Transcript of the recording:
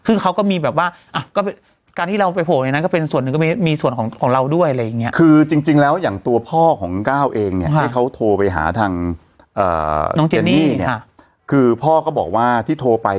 เองเนี่ยให้เขาโทรไปหาทางอ่าน้องเจนี่ค่ะคือพ่อก็บอกว่าที่โทรไป